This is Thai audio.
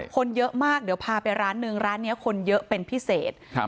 คนเยอะมากเดี๋ยวพาไปร้านหนึ่งร้านนี้คนเยอะเป็นพิเศษครับ